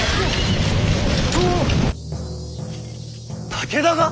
武田が！？